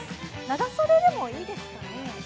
長袖でもいいですね。